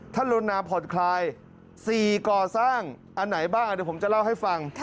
ท่านลนพคสี่ก่อสร้างอันไหนบ้างเดี๋ยวผมจะเล่าให้ฟัง